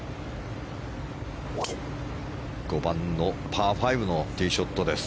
５番のパー５のティーショットです。